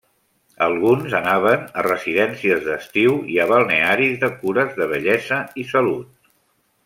Alguns anaven a residències d'estiu i a balnearis de cures de bellesa i salut.